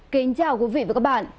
kính chào quý vị và các bạn